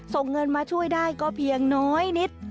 ส่งเงินมาช่วยได้ก็เพียงน้อยนิด